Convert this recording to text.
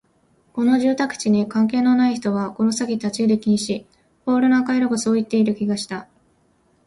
この住宅地に関係のない人はこの先立ち入り禁止、ポールの赤色がそう言っている気がした